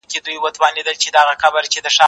زه به سينه سپين کړی وي!.